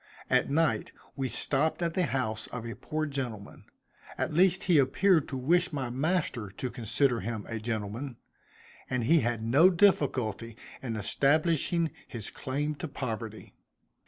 At night we stopped at the house of a poor gentleman, at least he appeared to wish my master to consider him a gentleman; and he had no difficulty in establishing his claim to poverty.